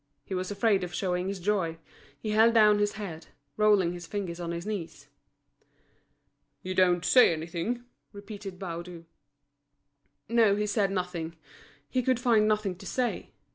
He was afraid of showing his joy, he held down his head, rolling his fingers on his knees. "You don't say anything?" repeated Baudu. No, he said nothing, he could find nothing to say.